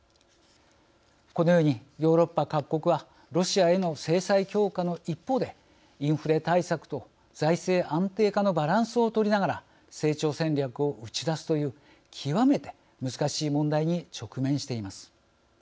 このようにヨーロッパ各国はロシアへの制裁強化の一方でインフラ対策と財政安定化のバランスを取りながら成長戦略を打ち出すという極めて難しい問題に直面しています。